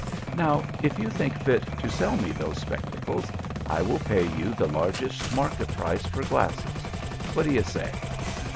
Now, if you think fit to sell me those spectacles, I will pay you the largest market price for glasses. What do you say?